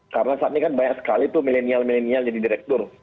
karena saat ini kan banyak sekali tuh milenial milenial jadi direktur